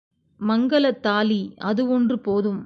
மங்கலத்தாலி அது ஒன்று போதும்.